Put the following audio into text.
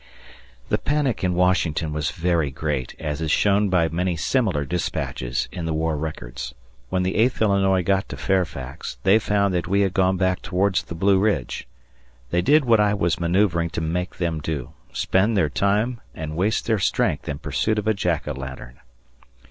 The panic in Washington was very great, as is shown by many similar dispatches in the war records. When the Eighth Illinois got to Fairfax, they found that we had gone back towards the Blue Ridge. They did what I was manoeuvring to make them do spend their time and waste their strength in pursuit of a Jack o' lantern.